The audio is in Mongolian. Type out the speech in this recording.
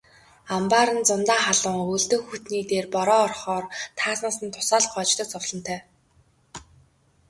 Амбаар нь зундаа халуун, өвөлдөө хүйтний дээр бороо орохоор таазнаас нь дусаал гоождог зовлонтой.